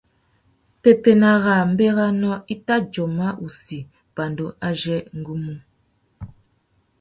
Pepena râ mbérénô i tà djôma wussi pandú azê ngu mú.